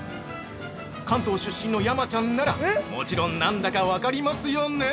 関東出身の山ちゃんなら、もちろん何だか分かりますよね？